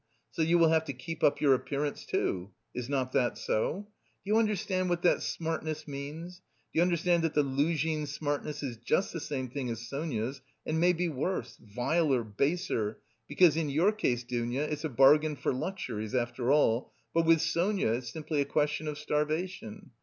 So you will have to 'keep up your appearance,' too. Is not that so? Do you understand what that smartness means? Do you understand that the Luzhin smartness is just the same thing as Sonia's and may be worse, viler, baser, because in your case, Dounia, it's a bargain for luxuries, after all, but with Sonia it's simply a question of starvation.